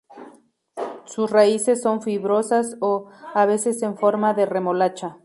Sus raíces son fibrosas o, a veces en forma de remolacha.